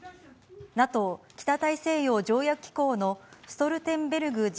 ＮＡＴＯ・北大西洋条約機構のストルテンベルグ